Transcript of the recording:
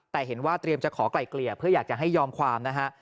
แต่เห็นว่าเตรียมจะขอไกล่เกลี่ยเพื่ออยากจะให้ยอมความนะฮะ